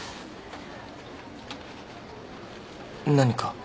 何か。